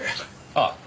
ああ。